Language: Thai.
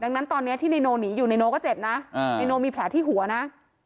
ดังนั้นตอนนี้ที่นายโนหนีอยู่ในโนก็เจ็บนะนายโนมีแผลที่หัวนะ